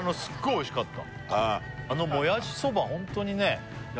おいしかった